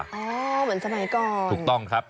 เหมือนสมัยก่อนถูกต้องครับ